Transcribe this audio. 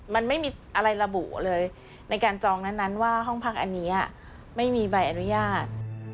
มันไม่มีอะไรระบุเลยในการจองนั้นว่าห้องพักอันนี้ไม่มีใบอนุญาต